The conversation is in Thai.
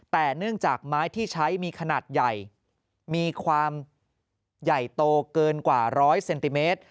แต่เนื่องจากไม้ที่ใช้มีขนาดใหญ่มีความใหญ่โตเกินกว่าร้อยเซนติเมตร